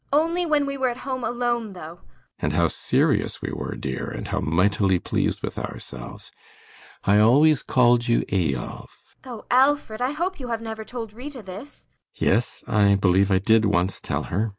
ASTA. Only when we were at home, alone, though. ALLMERS. And how serious we were, dear, and how mightily pleased with ourselves. I always called you Eyolf. ASTA. Oh, Alfred, I hope you have never told Rita this? ALLMERS. Yes, I believe I did once tell her.